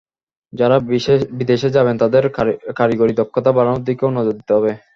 যাঁরা বিদেশে যাবেন, তাঁদের কারিগরি দক্ষতা বাড়ানোর দিকেও নজর দিতে হবে।